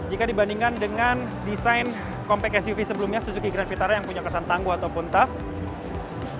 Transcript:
jika dibandingkan dengan desain compact suv sebelumnya suzuki grand vitara yang punya kesan tangguh ataupun tough